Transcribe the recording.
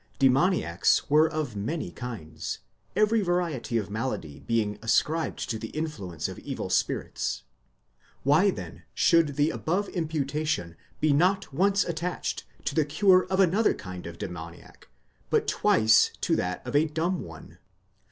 | Demoniacs were of many kinds, every variety of malady being ascribed to the influence of evil spirits ; why, then, should the above imputation be not once attached to the cure of another kind of demoniac, but twice to that of adumb one?